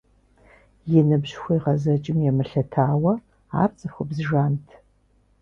И ныбжь хуегъэзэкӀым емылъытауэ ар цӏыхубз жант.